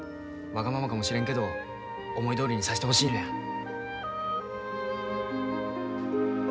わがままかもしれんけど思いどおりにさしてほしいのや。